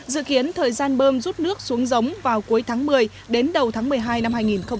dự kiến thời gian bơm rút nước xuống giống vào cuối tháng một mươi đến đầu tháng một mươi hai năm hai nghìn hai mươi